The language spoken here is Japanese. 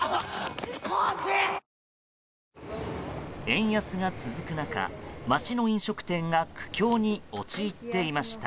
円安が続く中、街の飲食店が苦境に陥っていました。